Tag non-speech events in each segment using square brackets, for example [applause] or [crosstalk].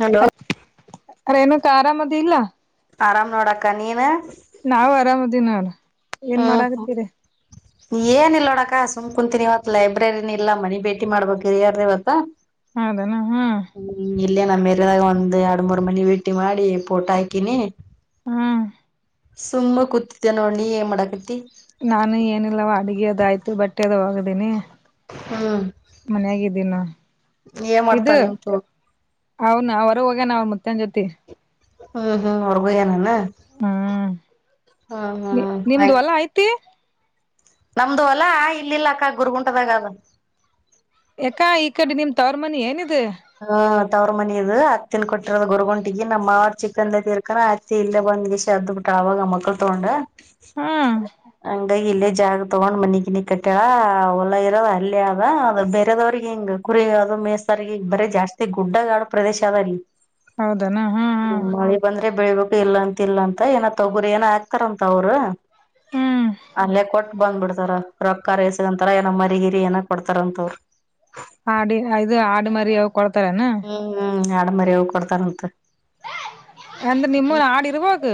hello ಅೇನು ಆರಾಮದ ಇಲ್ಲ ಆರಾಮ್ ನೋಡಾಕ್ಕ ನೀನು ನಾವು ಆರಾಮದಿ ನೋಡ ಏನ್ ಮಾಡಾಗತೀರಿ ಏನ ಇಲ್ ನೋಡಕ್ಕ ಸು್ ಕುಂತೀಿನಿ ಇವತ್ ಲೈಬ್ರರಿನ ಇಲ್ಲ ಮನಿ ಭೇಟಿ ಮಾಡ್ಬೇಕರಿ ಯಾರ ಇವತ್ತ ಹೌದನ ಹ್ಮ ಹ್ಮ್ ಇಲ್ಲೇ ನಮ್ಮ ಮೇರದಾಗ ಒಂದ್ ಎರಡ್ ಮೂರ್ ಮನಿ ಭೇಟ್ಟಿ ಮಾಡಿ ಪೋಟ ಹಾಕಿನಿ ಹಾ ಸುಮ್ಮ ಕೂತತ್ತ ನೋಡ್ ನೀ ಏನ್ ಮಾಡಾಕತಿ ಅಯ್ತು ಬಟ್ಟೆ ಅದ ಹ್ದೀನಿ ಹ್ಮ್ ಏ ಮಾಡ್ತನ್ ನಿಮ್ ಚೋ ಅವೌನ ಅವರು ಹೋಗ ನ ಮತ್ಯನ್ ಜೊತಿ ಹ್ಮ್ ಹ್ಮ್ ಹೊರ್ಗು ಏನಾನ ಹ್ಮ್ ನಿ ಹ್ಮ್ ನಿಮ್ದು ಆಯ್ತ್ ಎಲ್ಲಾ ಐ್ತಿ ನಮ್ದು ಅಲ್ಲಾ ಇಲ್ಲಿಲ್ಲ ಅಕ್ಕ ಗುರ್ಗುಂಟದಾಗ ಅದ ಯಾಕಾ ಈ ಕಡೆ ನಿಮ್ ತವ್ರ ಮನೆಿ ಏನಿದೆ ಹಾ ತವ್ರ ಮನ್ ಅತ್ತಿನ ಕೊಟ್ಟಿರೋದು ಗುರ್ಗುಂಟಗ ನಮ್ಮವರು ಚಿಕ್ಕಂದ ತೀರ್ಕಾನ ಅ ಹತ್ತಿ ಇಲ್ಲೇ ಬಂದ್ಗೆ ಶದ್ದ ಬಿಟ ಅವವಾಗ ಮಕ್ಳು ತಗೊಂಡ ಹ್ಮ್ ಹಂಗ ಇಲ್ಲೇ ಜಾಗ ತಗೊಂಡ್ ಮನ ಗಿನಿ ಕಟ್ಟ್ಯಳ ಹೊಲ ಇರೋದು ಅಲ್ಲಿ ಅದ ಅದು ಬೇರೆದವ್ರಿಗೆ ಹಿಂಗ ಕುರಿ ಅದು ಮೇಸ್ತಾರಿ ಈಗ ಬರ ಜಾಸ್ತಿ ಗುಡ್ಡ ಗಾಡು ಪ್ರದೇಶ ಅದಲ್ಲಿ ಹೌದನಾ ಹಾ ಹಾ ಬಂದ್ರೆ ಬೆಳಿಬೇಕು ಇಲ್ಲ ಅಂತ ಇಲ್ಲ ಅಂತ ಏನ ತೊಗುರಿ ಏನ ಆಕ್ತಾರಂತ ಅವ್ರು ಹ್ಮ್ ಅಲ್ಲೇ ಕೊಟ್ಟ ಬಂದ್ಬ ಬಿಡ್ತಾರ ರೊಕ್ಕ ರ ಎಸಂತರ ಏನೋ ಮರಿಗಿರಿ ಏನ ಕೊಡ್ತಾರಂತವ್ರು ಆಾಡಿ ಇದು ಆಡು ಮರಿ ಯಾವ ಕೊಡ್ತಾರನಾ ಹ್ಮ್ ಆಡ ಮರಿ ಹೋಗ್ ಕೊಡ್ತಾರಂತ ಅಂದ್ರೆ ನಿಮ್ಮ ಹಾಡು ಇರಬಹುದು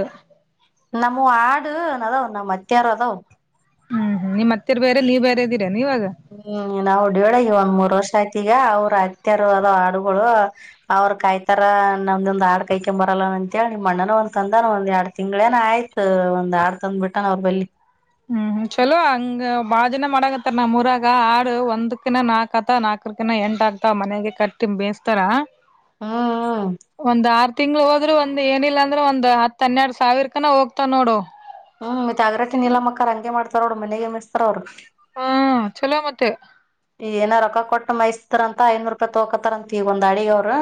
ನಮ್ಮ ಆಡು ಅದಾವ್ ನಮ್ಮ್ ಅತ್ಯಾರ ಅದಾವ ಹ್ಮ್ ಹ್ಮ್ ನಿಮ್ಮ ಅತ್ತೆರ್ ಬೇರೆ ನೀವ್ರೆ ಹ್ಮ್ ನಾವು ಹೊಡಿಯಳ ಇವ ಮೂ ತೋರ್ಷ ಆಯ್ತ ಈಗ ಅವ್ರ ಅತ್ಯಾರ ಅದ ಹಾಡುಗಳು ಅವ್ರ ಕಾಯ್ತಾರ ನಮ್ದೊಂದ್ ಆಾಡ್ ಕೈಕ್ ಬರಲ್ಲ ಅಂತಿ ನಿಮ್ಮ ಅಣ್ಣನ ಒಂದ್ ತಂದಾನ ಒಂದ್ ಎರಡ್ ತಿಂಗ್ಗಳೇನ ಆಯ್ತ ಒಂದ್ ಆಾಡ್ ತಂದ್ಬ ಬಿಟ್ಟಾನ ಅವ್ರ ಬಲ್ಲಿಿ ಹ್ಮ್ ಚಲೋ ಹಂಗ ಭಾಜನ ಮಾಡಗತ್ತಾರ ನಮ್ೂರಾಗ ಆಾ ಒಂದಕಿಿನ ನಾಕ್ ಆತ ನಾಕರಕಿನ ಎಂಟ ಆಗ್ತ ಮನೆಗೆ ಕಟ್ಟಿ ಬೇಯಸ್ತಾರ ಹ್ಮ್ ಒಂದ್ ಆರು ತಿಂಗಳ ಹೋದ್ರೆ ಒಂದ ಒ ಏನಿಲ್ಲ ಅಂದ್ರೆ ಒಂದ್ ಹನ್ನೆರಡು ಸಾವಿರ ಕನ ಹೋಗ್ತಾ ನೋಡು ಹ್ಮ್ ಮತ್ತಗ್ರಾತಿ ಇಲ್ಲ ಮಕ್ಕ ಹಂ ಮಾಡತಾರ ಅವ ಮನೆಗೆ ಮಿಸ್ಾರ ಅವರು ಹಾ ಚಲೋ ಮತ್ತೆ ತ್ತುೆ ಈ ಏನ ರೊಕ್ಕ ಕೊಟ್ಟ ಮೈಸ್ತರಂತ ಐನೂರು ರೂಪಾಯಿ ತೊಕೋತಾರಂತ ಈಗ ಒಂದ್ ಅಡಗ ಅವರು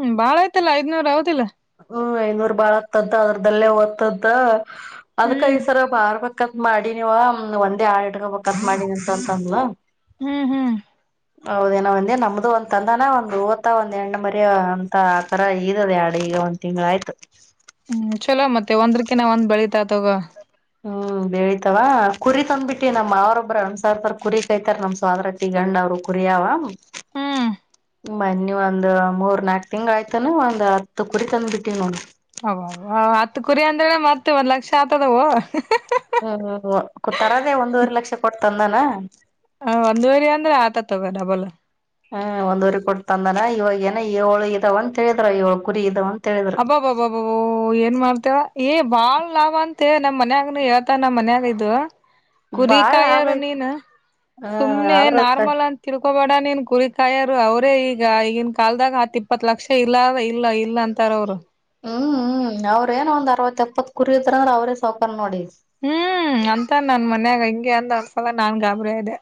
ಹ್ಮ ಬಾಳ ಆಯ್ತಲ್ಲಾ ಐದ್ನೂರ ಅವತಿಲ್ಲ ಹ್ಮ ಐನೂರು ಬಾಳ ಆಗ್ತದ ಅದ್ರದಲ್ಲೇ ಓದ್ತದ ಅದ್ಕ ಹ್ಮ್ ಈಸರ ಬಾರ್ ಮ ಕತ್ ಮಾಡ ನೀವ ಒಂದೇ ಆ ಬ ಕತ್ ಮಾಡಿನಿ ಅಂತ ಅಂತಂದಲ ಹ್ಮ್ ಹ್ಮ್ ಹೌದೇನ ಒಂದ ನಮ್ದು ಒಂದ್ ತಂದಾನ ಒಂದ್ ವತ್ತ ಒಂದ್ ಎಣ್ಣ ಮರಿ ಅಂತ ಆತರ ಇದದ ಆಡ ಈಗ ಒಂದ್ ತಿಂಗ್ ಆಯ್ತು ಹ್ಮ್ ಚಲೋ ಮತ್ತೆ ಒಂದ್ರಕ್ಕೆ ನಾವ ಒಂದ್ ಬೆಳಿತಾತೋಗ ಹ್ಮ್ ಬೆಳಿತಾವ ಕುರಿ ತಂದ್ಬಿಟ್ಟಿ ನಮ್ ಅವ್ರೊಬ್ಬ್ರ ಅಣಸರ್ಸರ್ ಕುರಿ ಕಾಯ್ತಾರ ನಮ್ ಸೋದ್ರ ತಿಿಗಂಡ ಅವರು ಕುರಿಯ ಅವ ಹ್ಮ್ ಬನ್ನಿ ಒಂದ್ ಮೂರ್ ನಾಕ್ ತಿಂಗ್ ಆಯ್ತಾನ ಒಂದ್ ಹತ್ ಕುರಿ ತಂದ್ಬಿಟ್ಟಿ ನೋಡ ಹ ಹತ್ತು ಕುರಿ ಅಂದ್ರ ಮತ್ತ ಒಂದ್ ಲಕ್ಷ ಆಗ್ತದವು ಹ್ಮ್ ಹ್ಮ್ ಹ್ಮ ತರದೇ ಒಂದೂವರೆ ಲಕ್ಷ ಕೊಡ್ತಾರ ಹ ಹ ಒಂದ್ವರಿ ಅಂದ್ರೆ ಆತ ತಗ ಡಬಲ್ ಹ್ಮ ಒಂದ್ವರಿ ಕೊತ ಅಂದನ ಇವಾಗಏನ ಏಳು ಇದಾವ ಅಂತ ಹೇಳಿದ್ರ ಏಳ ಕುರಿ ಇದಾವಂತ ಅಬ್ಬಬ್ಬಬ್ಬಬಬ ಏನ್ ಮಾಡ್ತೇವ ಏ ಬಾಳ್ ಲಾಭ ಅಂತ ನಮ್ ಮನ್ಯಾಗನು ಹೇಳ್ತ ನಮ್ಮ ಮನ್ಯಾಗ ಇದು ಬಾಳ್ ಲಾಭ ಕುರಿಕಾಯರು ಐತ್ ನೀನ್ ಹ ಸುಮ್ನೆ ಆದ್ರ ನಾರ್ಮಲ್ ಅಂತರು ಕೋಬೇಡ ನೀನ್ ಕುರಿ ಕಾಯರು ಅವರೇ ಈಗ ಈಗನ್ ಕಲ್ದಾಗ ಹತ್ ಇಪ್ಪತ್ ಲಕ್ಷ ಇಲ್ಲ ಇಲ್ಲ ಇಲ್ಲ ಅಂತ ತರ ಅವರು ಹ್ಮ್ ಹ್ಮ್ ಅವ್ರೇಏನ ಒ್ ಅರವತ್ ಎಪ್ಪತ್ ಕುರಿ್ರಂದ್ರ ಅವ್ರೇ ಸೌಕಾರ ನೋಡಿ ಹ್ಮ್ ಅಂತ ನನ್ ಮನ್ಯಾಗ ಅಂದ್ ಅಸಲ [unintelligible] ನನ್ ಗಾಬ್ರ ಇದೆ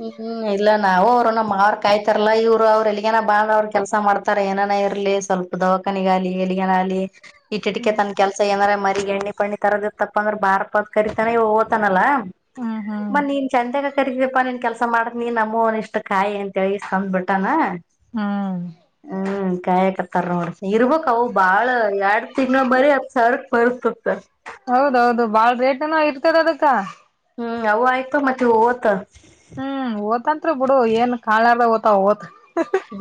ಹ್ಮ್ ಹ್ಮ್ ಇಲ್ಲ ನಾವು ಅವ್ರ [unintelligible] ಅವ್ರ ಕಾಯ್ತಾರಲ್ಲ ಇವ್ರು ಅವ್ರ ಎಲ್ಲಿಗನ ಬಾಂದ್ ಅವ್ರರು ಕೆಲ್ಸ ಮಾಡ್ತಾರ ಏನನ ಇರ್ಲಿ ಸ್ವಲ್ಪ ದವಖಾನಿಗ ಆಲಿ ಎಲ್ಲಿಗನ ಆಗಲಿ ಮ - ಇಟ್ಿಟ್ಟಕ ತನ್ ಕೆಲಸ ಏನಾರ ಮ ಬಿ ಎಣ್ಣೆಪಣ್ಣಿ ತರದ ಇತಪ್ಪ ಅಂದ್ರೆ ಬಾರಪ ಅಂತ ಕರಿತಾನ ಇವ್ನು ಓತಾನಲ್ಲಾ ಹ್ಮ್ ಹ್ಮ್ ಮತ್ತ ನೀನ್ ಚಂದ್ ರಿಗೆ ಪಿ [unintelligible] ಕೆಲ್ಸ ಮಾಡತ್್ ನೀ ನಮನ್ ಇಷ್ಟ್ ಕಾಯಿ ಅಂತಿ ತಂದ್ಬ ಬಿಟ್ಟಾನ ಹ್ಮ್ ಹ್ಮ ಕಾಯಕರ್ತಾರೋ ನೋಡ್ ಇರ್ ಹೌ ಬಾಳ ಎಡ್ ತಿಗ್ಲಾ ಬರೀ ಹತ್ ಸಾವಿರ ಕ್ ಬರದ್ ಬರ್ತತರ್ [inaudible] ಹೌದೌದು ಬಾಳ್ ರೇಟ್ ಏನ ಇರ್ತದ ಅದಕ್ಕ ಹ್ಮ್ ಅವು ಆಯ್ತು ಮತ್ತೆ ಹೋತ ಹ್ಮ್ ಓತಂತ್ರಿ ಬಿಡು ಏನ್ ಕಾಳಾರ ಓ್ತ ಓತ್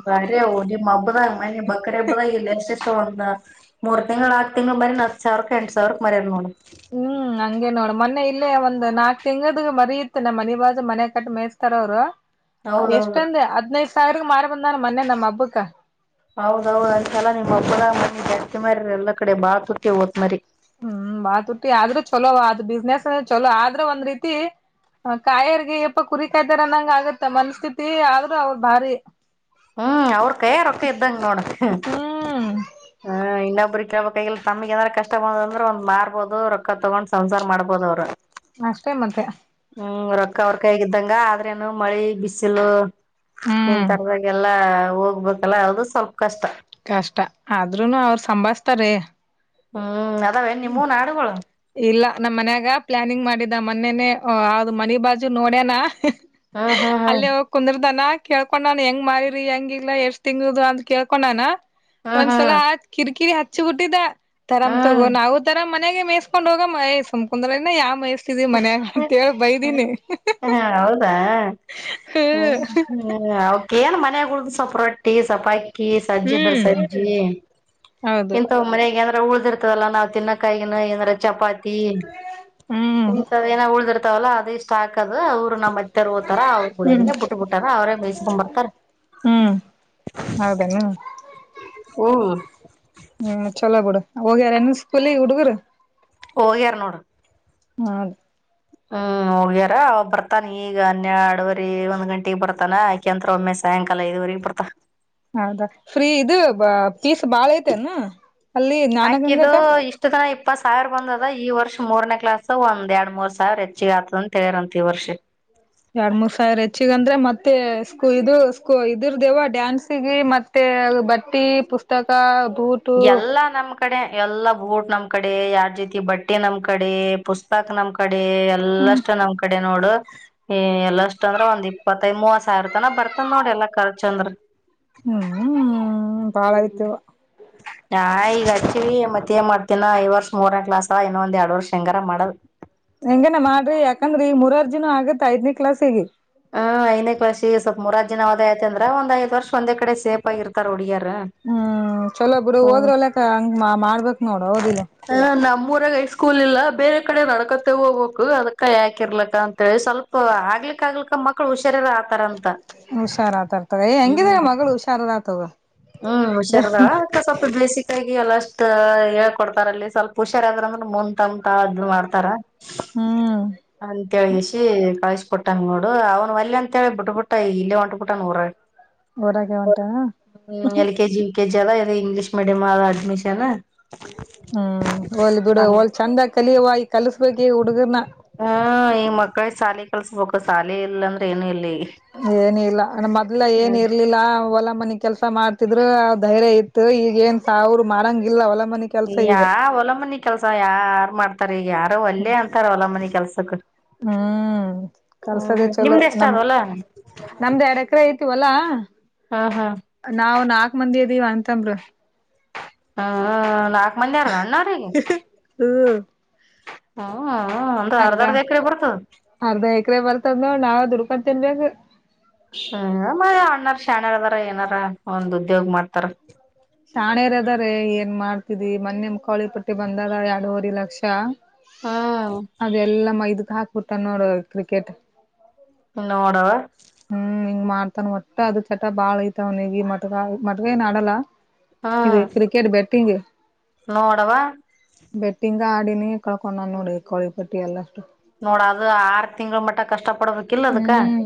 ಬರ ದ [unintelligible] ಮಬ್ಬದ ಬಕ್ಕರೆ ಇಲ್ಲ ೊ ಮೂರು ತಿಂಗಳು ಆರು ತಿಂಗಳು ಮರಿ ಹತ್ ಸಾವಿರಕ್ ಎಂಟು ಸಾವಿರಕ್ ಮರ ನೋಡಿ ಹ್ಮ್ ಹಂಗಗೆ ನೋಡು ಮೊೆನ್ನೇ ಇಲ್ಲೇ ಒಂದು ನಾಕ್ ತಿಂಗದ ಮರಿ ಇತ್ತ ನಮ್ ಮನ ಬಾಜು ಮನೆ ಕಟ್ಟ ಮೇಯಸ್ತಾರ ಅವ್ರು ಹೌದೌದು ಎಷ್ಟಂದ್ ಹದ್ನೈದು ಸಾವಿರ ಮಾರ್ ಬಂದಾನು ಮೊೆನ್ನೇ ನಮ್ಮ ಹಬುಕ್ಕ ಹೌದೌದ್ ಅಂತಲ್ಲ ನಿಮ್ ಹಬ್ಬರ ಜಸ್ತಿ ಮಾಡ್ರಿ ಎಲ್ಲಾ ಕಡೆ ಬಾಳ ತುಟ್ಟಿ ಓದತ್ ಮರಿ ಹ್ಮ್ ಬಾತ್ುಟ್ಟಿ ಆದ್ರೂ ಚಲೋ ಅದು ಬಿಸ್ನೆಸ್ ಚಲೋ ಆದ್ರೆ ಒಂದ್ ರೀತಿ ಕಾಯರ್ಗೆ ಯಪ್ಪ ಕುರಿಕಾಯ್ದಾರ ಅನ್ನಂಗ ಆಗತ್ತ ಮನಸ್ಥಿತಿ ಆದ್ರೂ ಅವ್ರ ಭಾರಿ ಹ್ಮ್ ಅವ್ರ ಕೈಯ ರೊಕ್ಕ ಇದ್ದಂಗ ನೋಡಕ್ ಹ್ಮ್ ಹ ಇನ್ನೊಬ್ರ ಕೈ ತಮಗೆ ಅಏಂದ್ರ ಕಷ್ಟ ಬಂದ ಅಂದ್ರ ಒಂದ್ ಮಾರ್ಬೋದು ರೊಕ್ಕ ತಗೊಂಡ್ ಸಂಸಾರ ಮಾಡಬೋದು ಅವರು ಅಷ್ಟೇ ಮತ್ತೆ ಅವ್ರ ಕೈಗಿದ್ದಂಗ ಆದ್ರೇನು ಮಳಿ ಬಿಸಿಲು ಇನ್ ಹ್ಮ್ ತರದಾಗಲ್ಲ ಹೋಗ್ಬೇಕಲ್ಲ ಅದು ಸ್ವಲ್ಪ ಕಷ್ಟ ಕಷ್ಟ ಆದ್ರೂನು ಅವರು ಸಂಭಸ್ತಾರೆ ಹ್ಮ್ ಅದಾವ ನಿಮ್ಮೂನ್ ಹಾಡುಗಳು ಇಲ್ಲ ನಮ್ಮ ಮನಯಾಗ ಪ್ಲ್ಲಾನಿಂಗ್ ಮಾಡಿದ್ದ ಮೊನ್ನೇೇ ಯದು ಮನಿ ಬಾಜು ನೋಡೇನಾ ಹ್ಮ್ ಹ್ಮ್ ಹ್ಮ್ ಅಲ್ಲಿ ಕುಂದ್ರ ದಾನ ಕೇಳ್ಕೊಂಡಾನ ಹೆಂಗ ಮಾರೀರಿ ಹೆಂಗಿಗ್ಾ ಎಷ್ಟ್ ತಿಂಗದು ಅಂತ ಕೇಳ್ಕೊಂಡನ ಹಾ ಹಾ ಮನ್ಸಲ್ಲ ಹತ್ ಕಿರಿಕಿರಿ ಹ ಚ ಕುಟ್ಟಿದ ತರಾಮ್ ತಗೋ ನಾವು ತರಾಮ್ ನಗೆ ಹೊಂಡ ಹೋಗ ಮಯ್ು ಕುಂದರ ಯಾವ ಮಯಸ ಹ ಹೌದಾ ಹ ಅವಕೇಏನ್ ಮನಯಾಗ ಉಳ್ದ ಸಪರ ಟ್ಟಿ ಸಪಾಯ ಅಕ್ಕಿ ಸಜ್ಜ ಇದ್ರ ಹ್ಮ್ ಸಜ್ಜಿ ಹೌದು ಇಂತ ಒ ಮನೆಗೆ ಅಂದ್ರೆ ಉಳ್ದಿರ್ ಲ್ಲ ನಾವವು ತಿನ್ನಕಾಯಿಗಿನ ಏಂದ್ರ ಚಪಾತಿ ಕ ಹ್ಮ್ ಇಂತ ಏನ ಉಳ್ದ್ರ ಾವಲ್ಲ ಅದ ಇಷ್ಟ ಆಕ್ದು ಅವ್ರ ನಮ್ಮೆ ತೆರ್ ಹೋತಾರ ಹ್ಮ್ ಅವ್ರಗಳಗನೆ ಬಿಟ್ಟ ಬಿಟ್ಟಾರ ಅವ್ರೇ ಬೇಯಿಸಕೊ್ಂಬರ್ತಾರ ಹ್ಮ್ ಹೌದೇನು ಹ್ಮ ಹ್ಮ್ ಚಲೋ ಬಿುಡ ಹೋಗ್ಯಾರನ್ ಸ್ಕೂಲಗ್ ಹುಡುಗರು ಓ ಎರನೋಡು ಹಾ ಹ್ಮ್ ಹೋಗ್ಯಾರ ಬರ್ತಾನ ಈಗ ಹನ್ನೆರಡುವರಿ ಒಂದ್ ಗಂಟೆಗೆಗ್ ಬರ್ತಾನ ಆಕೆಂತ್ರ ಒಮ್ಮೆ ಸಾಯಂಕಾಲ ಐದುವರಿಗೆಗ್ ಬರ್ತಾನ ಹೌದಾ ಫ್ರೀ ಇದು ಪೀಸ್ ಬಾಳ ಐ [inaudible] ಹಾಕಿದ್ದು ಇಷ್ಟು ತನ ಇಪ್ಪತ್ ಸಾವಿರ ಬಂದದ ಈ ವರ್ಷ ಮೂರ್ನ ಕ್ಲಸ್ ಒಂದ್ ಎರಡ್ ಮೂರ್ ಸಾವಿರ ಹೆಚ್ಚಿಗೆ ಆತದಂತೇಾರಂತ ಈ ವರ್ಷ ಎರಡ್ ಮೂರ್ ಸಾವಿರ ಹೆಚ್ಚಿಗೆ ಅಂದ್ರೆ ಮತ್ತೆ ಸ್ಕೂ ಇದು ಸ್ಕೂ ಇದರ್ ದೇವ ಡ್ಯಾನ್ಸಿಗೆ ಮತ್ತೆ ಬಟ್ಟಿ ಪುಸ್ತಕ ಬೂಟು ಎಲ್ಲಾ ನಮ್ ಕಡೆ ಎಲ್ಲಾ ಬೂಟ್ ನಮ್ ಕಡೆ ಯಾವ ರೀತಿ ಬಟ್ಟೆ ನಮ್ ಕಡೆ ಪುಸ್ತಕ ನಮ್ ಕಡೆ ಅಡೆ ಎಲ್ಲ ಹ್ಮ್ ಅಷ್ಟು ನಮ್ ಕಡೆ ನೋಡು ಹ ಎಲ್ಲ ಅಷ್ಟ ಅಂದ್ರ ಒಂದ್ ಇಪ್ಪತ್ತೈ ಮೂವತ್ ಸಾವಿರ ತನ ಬರ್ತನ್ ನೋಡಿ ಎಲ್ಲಾ ಖರ್ಚ ಅಂದ್ರ ಹ್ಮ್ ಬಾಳ ಹ್ಮ ಐತಿವ ನಾ ಈಗಚ್ಚ ಮತ್ತೆ ಮಾಡ್ತಿನಾ ಐ್ ವರ್ಷ ಮೂರನೇ ಕ್ಲಾಸ್ ಇನ್ನೊ ಒಂದ ಎರಡ್ ವರ್ಷ ಹಂಗಾರ ಮಾಡ್ ಹೆಂಗನ ಮಾಡ್ರಿ ಯಾಕಂದ್ರಿ ಈ ಮೂರಾರ ಜನ ಆಗತ್ತ ಐದನೇ ಕ್ಲಾಸ್ ಹೀಗ ವದಯ್ತಂದ್ರ ಒಂದ ಐ್ ವರ್ಷ ಒಂದ ಕಡೆ ಸೇಫ ಆಗಿರ್ತಾರೆ ಹುಡುಗಿಯರು ಹ್ಮ್ ಚಲೋ ಬಿಡು ಹೋದ್ರ ಒಲ್ಲಕ್ಕ ಹಂಗ ಮಾ ಮಾಡ್ಬ ಹ ನಮ್ಮೂರಾಗ ಹೈಸ್ಕೂಲ್ ಇಲ್ಲ ಬೇರೆ ಕಡೆ ನಡ್ಕತ್ತ ಹೋಗ್ಬೇಕು ಅದಕ್ಕ ಯಾಕಿರ್ಲಕ್ಕ ಅಂತ್ ಹೇಳಿ ಸ್ವಲ್ಪ ಆಗ್ಲಿಕ್ ಆಗ್ಲಿಕ್ಕ ಮಕ್ಳು ಹುಷಾರರ ಆತರ ಅಂತ ಹುಷಾರಾತ ಇರ್ತದೆ ಹೆಂಗಿದ ಮಗಳು ಹುಷಾರ ತಗೋ ಹ್ಮ್ ಹುಷಾರದಾಳ ಸ್ವಲ್ಪ ಬೇಸಿಕಾಗಿ ಎಲ್ಲ ಅಷ್ಟ ಅಷ್ಟ ಹೇಳ್ಕೊಡ್ತಾರಲ್ಲಿ ಸ್ವಲ್ಪ ಹುಷಾರಾದ್ರ ಅಂದ್ರ ಮುಂದ್ ತಮ್ತಾವ್ ಅದ ಮಾಡ್ತಾರ ಹ್ಮ್ ಅಂತೇಳಿಸಿ ಕಳ ಬ ಬಿಟ್ಟನ್ ನೋಡು ಅವ್ನು ಒಲ್ಲೆ ಅಂತ ಹೇಳಿ ಬಿಟ್ಬುಟ್ಟ ಇಲ್ಲೇ ಹೊಂಟಬಿಟ್ಟನ ಊರಗ ಊರಗೆ ಒಂಟ ಹ್ಮ್ ಎಲ್ ಕೆಜಿ ಕೆ ಜಿ ಅದ ಅದ ಇಂಗ್ಲಿಷ ಮೀಡಿಯಮ್ ಆದ ಅಡ್ಮಿಷನ್ ಹ್ಮ್ ಒಲ್ ಬಿಡ ಹಂಗ ಒಲ್ ಚಂದ ಕಲಿಯುವ ಕಲಸ್ಬೇಕು ಈ ಹುಡುಗರ್ನ ಹ್ಮ ಈ ಮಕ್ಕಳ ಶಾಲೆ ಕಲ್ಸ್ಬೇಕು ಶಾಲೆ ಇಲ್ಲ ಅಂದ್ರ ಏನು ಇಲ್ಲಿ ಏನ ಇಲ್ಲಾ ಮೊದ್ಲ ಹ್ಮ್ ಏನ್ ಇರ್ಲಿಲ್ಲ ಹೊಲ ಮನಿ ಕೆಲ್ಸ ಮಾಡ್ತ ತಿದ್ರ ಧೈರ್ಯ ಇತ್ತು ಈಗ ಏನ್ ತ ಅವ್ರು ಮಾಡಂಗಿಲ್ಲ ಹೊಲ ಮನಿ ಕೆಲ್ಸ ಈಗ ಯಾ ಒಲ ಮನಿ ಕೆಲ್ಸ ಯಾರ್ ಮಾಡ್ತ ಈಗ ಯಾರೋ ಒಲ್ಲೇ ಅಂತಾರ ಹೊಲಮನಿ ಕೆಲ್ಸಕ್ ಹ್ಮ್ ಹ್ಮ ಕಲ್ಸದೆೇ ಚಲೋ ನಿಮ್ದ ಎಷ್ಟ ಅದ ನಮ್ ಹೊಲ ಹಾ ಹಾ ಹಾ ನಾವು ನಾಲ್ ಕ್ ಮಂದಿ ಅದೀವಿ ಅಣ್ತಂಬ್ರು ಹ್ಮಾ ಮಂದಿ ಆರಾ ಅಣ್ಣಾರ ಹ್ಮ್ ಹ ಹ್ಮ ಒಂದು ಅರ್ಧ ಅರ್ಧರ್ಧ ಎಕರೆ ಬರ್ತದ ಅರ್ಧ ಎಕರೆ ನೋಡ್ ನಾವು ದುಡ್ಕೊಂಡ್ ತಿನ್ಬೇಕು ಹ್ಮ ಮಳಾವಣ್ಣರ್ [unintelligible] ಶಾನೆರದಾರ ಏನಾರ ಒಂದ್ ಉದ್ಯೋಗ್ ಮಾಡ್ತಾರ ಶಾಣೆರ್ ಅದಾರೆ ಏನ್ ಮಾಡ್ತಿದಿ ಮನ್ನೆಮ್ಮ ಕೋಳಿ ಪಟ್ಟಿ ಬಂದದ ಎರಡೂವರೆ ಲಕ್ಷ ಹ್ಮ್ ಅದೆಲ್ಲಾ ಮೈದು ಹಾಕ್ಬಿಟ್ಟಾ ನೋಡ ಕ್ರಿಕೆಟ್ ನೋಡವಾ ಹ್ಮ್ ಹಿಂಗ್ ಮಾಡ್ತನ್ ಒಟ್ಟ ಅದ ಚಟ ಬಾಳ್ ಐತವನಿಗೆ ಮಟ್ಗ ಮಟ್ಗ ಏನ್ ಆಡಲ್ಲ ಇದು ಹ್ಮ್ ಕ್ರಿಕೆಟ್ ಬೆಟ್ಟಿಂಗ್ ನೋಡವ ಬೆಟ್ಟಿಂಗ್ ಗಾಡಿನ ಕಳ್ಕೊಂಡ ನೋಡಿ ಕೋಳಿ ಪಟ್ಟಿ ಎಲ್ಲ ಅಷ್ಟು ನೋಡ ಅದು ಆರ್ ತಿಂಗ್ಗಳು ಮಟ್ಟ ಕಷ್ಟ ಪಡ್ಬೇಕಿಲ್ಲ ಅದಕ್ಕ ಹ್ಮ್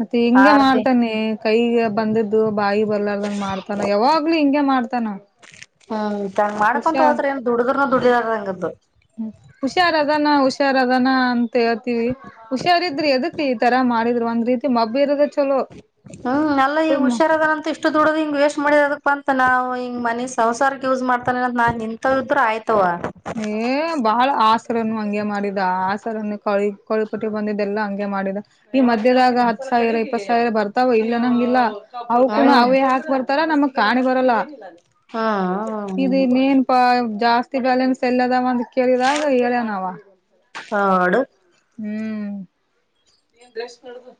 ಮತ್ತೆ ಹಿಂಗೆ ಆರ್ತಿ ಮಾಡ್ತಾನೆ ಕೈಗೆ ಬಂದಿದ್ದು ಬಾಯಿ ಬರ್ಲಾರದಂಗ ಮಾಡ್ತಾನ ಯಾವಾಗ್ಲುೂ ಹಿಂಂಗ ಮಾಡ್ತಾನ ಹಾ ಂಗ ಮಾಡಕೊಂತ ಹುಷಾರ್ ಹೋತ್ರ್ರ ಏನ್ ದುಡುದ್ರನ ದುಡಿದಾರ ಹಂಗ್ದು ಹ್ಮ ತೇಳ್ತೀವಿ ಹುಷಾರಿದ್ರ ಎದಕ್ ಈ ತರ ಮಾಡಿದರ ಒಂದು ರೀತಿ ಮಬ್ಬಿರದ ಚೊ ಹ್ಮ್ ಎಲ್ಲ ಈಗ ಹುಷಾರದಾರಂತ ಇಷ್ಟು ದುಡ್ಡದು ಹಿಂಗ ವೇಸ್ಟ್ ಮಾಡಿದೆ ಅದಕ್ ಬಂತ ನಾವ ಹಿಂಗ ಮನೆ ಸಂಸಾರಕ್ಕೆ ಯೂಸ್ ಮಾಡ್ತಾನ ನಾನ್ ನಿಂತವ ಇದ್ರ ಆಯ್ತವ ಏ ಬಾಳ ಆಸರನ್ನು ಹಂಗೆ ಮಾಡಿದ ಆಸರನ್ನು ಕ ಕಳಿಪಟ್ಟಿ ಬಂದಿದ್ದಲ್ಲ ಹಂಗೆ ಮಾಡಿದ ಈ ಮಧ್ಯದಾಗ ಹತ್ತು ಸಾವಿರ ಫಸ್ಟ್ ರಾಗ ಬರ್ತಾವ ಇಲ್ಲ ಅನ್ನಂಗಿಲ್ಲ ಅವುಕೂನ ಹ್ಮ್ ಅವೇ ಹಾಕ್ ಬರ್ತಾರಾ ನಮಗ ಕಾಣಿ ಬರಲ್ಲ ಹ್ಮ್ ಇದು ಮೇನ್ ಪ ಜಾಸ್ತಿ ಬ್ಯಾಲನ್ಸ್ ಎಲ್ಲದವ ಅಂತ ಕೇಳಿದ ಅವ ಹೇಳಿನವ ಹಾಡ ಹ್ಮ್ ಏನ್ ಡೆಸ್ ಮಾಡುದು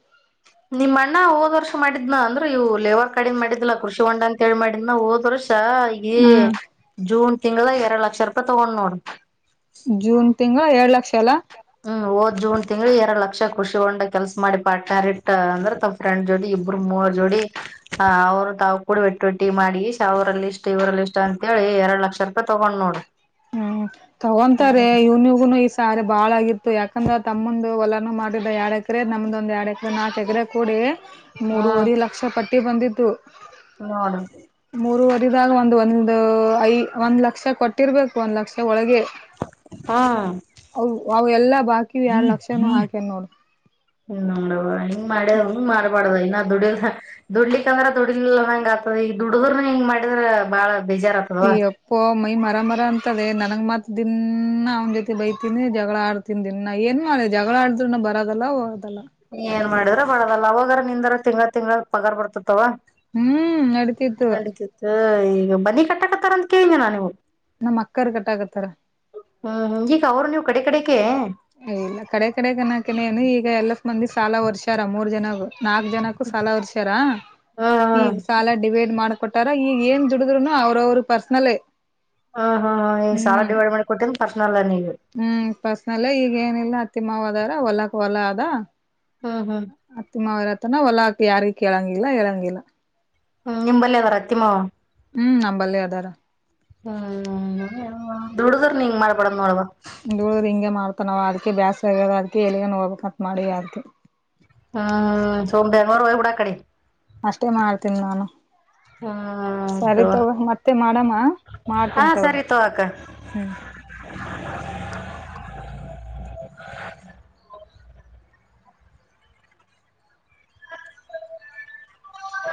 ನಿಮ್ ಅಣ್ಣ ಹೋದ್ ವರ್ಷ ಮಾಡಿದ್ನ ಅಂದ್ರೆ ಇವು ಲೇವರ್ ಕಾಡಿದ ಮಾಡಿದ್ದಿಲ್ಲ ಕೃಷಿ ಹೊಂಡ ಅಂತ ಹೇಳಿ ಮಾಡಿದ್ನ ಹೋದ್ ವರ್ಷ ಗಾ ಗೀ ಹ್ಮ್ ಜೂನ್ ತಿಂಗಳ ಎರಡು ಲಕ್ಷ ರೂಪಾಯಿ ತಗೊಂಡ್ ನೋಡು ಎರಡು ಲಕ್ಷ ಎಲ್ಲಾ ಹ್ಮ್ ಓದ್ ಜೂನ್ ತಿಂಗ್ಳ ಎರಡ್ ಲಕ್ಷ ಕೃಷಿ ಹೊಂಡ ಕೆಲ್ಸ ಮಾಡಿ ಪಾರಿಟ್ ಅಂದ್ರ ತಮ ಫ್ರೆಂಡ್ ಜೋಡಿ ಇಬ್ರ ಮೂವರ್ ಜೋಡಿ ಅವ್ರು ತಾವ್ ಕೂಡ ಒಟ್ಟು ಒಟ್ಟಿ ಮಾಡಿ ಅವರಲ್ಲಿ ಇಷ್ಟ್ ಇವ್ರಲ್ಲಿ ಇಷ್ಟ್ ಅಂತೇಳಿ ಎರಡ್ ಲಕ್ಷ ರೂಪಾಯಿ ತಗೊಂಡ್ ನೋಡಿ ಹ್ಮ್ ತಗೊಂತಾರೆ ಇವನ್ಗನು ಈ ಸಾರೆ ಬಾಳಗಿ ಯಾಕಂದ್ರ ತಮ್ಮಂದ ಹೂಲಾನು ಮಾಡಿದ ಎಡ ಎಕ ಎಕರೆ ನಮ್ದ ಒಂದ ಎರಡು ಎಕರೆ ನಾಕ್ ಎಕರೆ ಕೂಡಿ ಹ್ಮ್ ಮೂರುವರಿ ಲಕ್ಷ ಪಟ್ಟಿ ಬಂದಿದ್ದು ಮತ್ತು ನೋಡ್ರಿ ಮೂರುುವರಿದಾಗ ಒಂದು ಒಂದ ಒಂದ್ ಐ ಒಂದ ಲಕ್ಷ ಕೊಟ್ಟಿರ್ಬೇಕು ಒಂದ್ ಲಕ್ಷ ಒಳಗೆ [inaudible] ಹಾ ವವು ಎಲ್ಲಾ ಬಂ ಹ್ಮ ನೋಡ ಹಿಂಗ ಮಾಡ್ಯದ ಹಂಗ್ ಮಾಡ್ಬಾರಡ್ದ ಇನ್ನ ದುಡ ದುಡ್ಲಿಕ್ ಅಂದ್ರೆ ದುಡ್ಡಿಲ್ ನಂಗ ಆಗ್ತದ ಈಗ ದುಡದ್ರ ಮ ಹೆಂಗ ಮಾಡಿದ್ರ ಬಾಳ ಬೇಜಾರ್ ಆತದವ ಅಪ್ಪ ಮೈ ಮಾ ಮರ ಮರ ಅಂತದೆ ನನ ಮಾತ್ ದಿನ ಅವ್ನ ಜೊತೆ ಬೈತಿನಿ ಜಗಳ ಆಡ್ತಿನಿ ದಿನಾ ಏನ್ ಮಾಡ ಜಗಳ ಆಡಿದ್ರರು ಬರೋದಲ್ಲ ಹೋಗದಲ್ಲ ಏನ್ ಮಾಡಿದ್ರ ಬಳದಲ್ಲ ಅವಾಗಾರ ನಿಂದಾರ ತಿಂಗ ತಿಂಗ ಪಗಾರ್ ಬರ್ತತ್ತವ ಹ್ಮ್ ನಡತಿತ್ತು ನೀವು ಬನ್ನಿ ಕಟ್ಟಕತ್ತರ ಅಂತ ಕೇಳನಿ ನಾ ನೀವು ನಮ್ ಅಕ್ಕರ್ ಕಟ್ಟಾಕತ್ತಾರ ಹ್ಮ್ ಕವರ ನೀ ಕಡೆ ಕಡೆ ಇಲ್ಲ ಕಡೆ ಕಡೆ ಗಣಕನ ನು ಈಗ ಎಲ್ಲ ಮಂದಿ ಸಾಲ ಒರ್ಸ್ಯಾರ ಮೂರ್ ಜನಾಗ ನಾಲ್ಕ್ ಜನಕ್ಕೂ ಸಾಲ ಒರ್ಸ್ಯಾರ ಹಾ ಈಗ ಸಾಲ ಡಿವೇಡ್ ಮಾಡ್ ಕೊಟ್ಟಾರ ಈಗ ಏನ್ ದುಡುದ್ರುನು ಅವ್ರ ಅವರು ಪರ್ಸ್ನಲ್ ಹಾ ಹಾ ಹ ಈ ಸಾವ ಡಿವೈಡ್ ಮಾಡಿ ಕೊಟ್ಟನ್ ಪರ್ಸನಲ್ ನೀವಿ ಹ್ಮ್ ಪರ್ಸ್ನಲ್ ಈಗ ಏನಿಲ್ಲ ಅತ್ತಿ ಮಾವ ಅದಾರ ಹೊಲಕ್ ಹೊಲ ಅದ ಹ್ಮ್ ಹ್ಮ್ ಅತ್ತಮ ವರತನ ಒಲಾ ಯಾರಕ್ಕೆ ಇಳಂಗಿಿಲ್ಲ ಇಳಂಗಿಿಲ್ಲ ಹ್ಮ ನಿಂಬಲ್ಲಿ ಅದಾರತ್ತಿಮ್ಮ ಹ್ಮ್ ನಂಬಲ್ಲಿ ಅದಾರ ಹ್ಮ್ ದುಡುದ್ರ ನೀಂಗ ಮಾಡ್ಬಡದ್ ನೋಡವಾ ಧಳ್ ಹಿಂಗೆ ಮಾಡ್ತಾನವ್ ಅದ್ಕ ಬ್ಯಾಸ ಆಗ್ಯದ ಅದಕ ಎಳಗನ್ ಹೋಗ್ಬೇಕಕ್ತ್ ಮಾಡಿ ಅ್ಕ ಹ್ಮ್ ಸೋಮ ಎರನೂರು ವೋಗಿ ಬಿೂಡ ಕಡೆ ಅಷ್ಟೇ ಮಾಡ್ತೀನಿ ನಾನು ಹ್ಮ್ ಸರಿ ತಗೋ ತಗ ಮತ್ತೆ ಮಾಡಮ್ಮ ಹಾ ಮಾಡ್ತನ್ಂತವ ಸರಿ ತಗೋ ಅಕ್ಕ ಹ್ಮ್